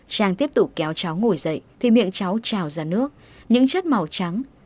trang tiếp tục kéo cháu ngồi dậy thì miệng cháu trào ra nước những chất màu trắng